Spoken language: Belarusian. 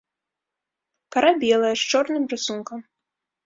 Кара белая, з чорным рысункам.